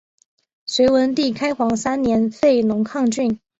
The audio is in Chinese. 隋文帝开皇三年废龙亢郡。